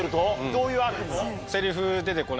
どういう悪夢なの？